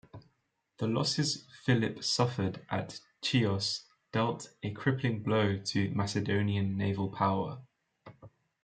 The losses Philip suffered at Chios dealt a crippling blow to Macedonian naval power.